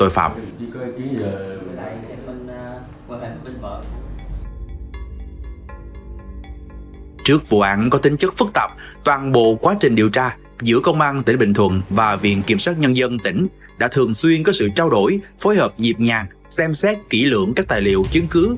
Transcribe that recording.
phối hợp dịp nhàng xem xét kỹ lượng các tài liệu chứng cứ